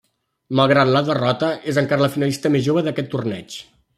Malgrat la derrota, és encara la finalista més jove d'aquest torneig.